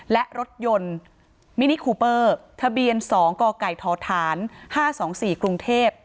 และรถยนต์มินิคูเปอร์ทะเบียน๒กกทฐาน๕๒๔กรุงเทพ